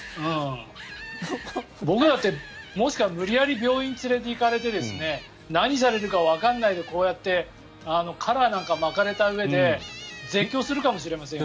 僕だって無理やり病院に連れて行かれて何されるかわからないでこうやってカラーなんか巻かれたうえで絶叫するかもしれませんよ。